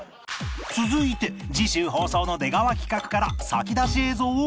続いて次週放送の出川企画から先出し映像を公開